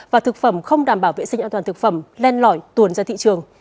và thực phẩm không đảm bảo vệ sinh an toàn thực phẩm len lỏi tuồn ra thị trường